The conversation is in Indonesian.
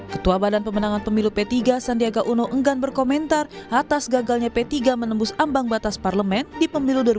ketua badan pemenangan pemilu p tiga sandiaga uno enggan berkomentar atas gagalnya p tiga menembus ambang batas parlemen di pemilu dua ribu sembilan belas